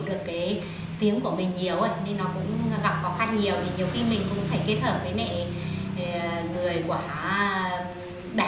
thì nhiều khi mình cũng phải kết hợp với người của bẻn